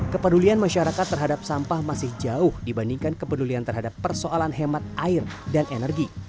kepedulian masyarakat terhadap sampah masih jauh dibandingkan kepedulian terhadap persoalan hemat air dan energi